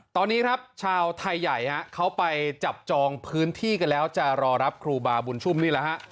ตอนนี้ครับชาวไทยใหญ่เขาไปจับจองพื้นที่กันแล้วจะรอรับครูบาบุญชุ่มนี่แหละฮะ